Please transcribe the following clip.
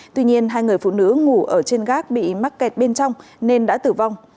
tuy nhiên hai người phụ nữ ngủ ở trên gác bị mắc kẹt bên trong nên đã tử vong